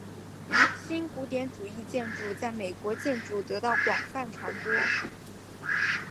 新古典主义建筑在美国建筑得到广泛传播。